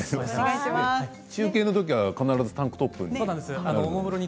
中継のときは必ずタンクトップなのに。